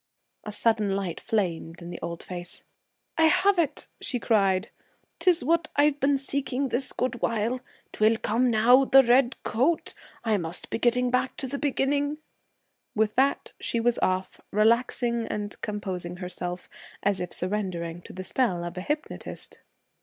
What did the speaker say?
A sudden light flamed in the old face. 'I have it!' she cried. 'Tis what I've been seeking this good while. 'Twill come now the red coat! I must be getting back to the beginning.' With that, she was off, relaxing and composing herself, as if surrendering to the spell of a hypnotist.